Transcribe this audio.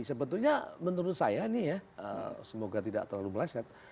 sebetulnya menurut saya ini ya semoga tidak terlalu meleset